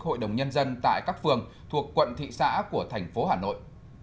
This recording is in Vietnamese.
hội đồng nhân dân tại các phường thuộc quận thị xã của thành phố hà nội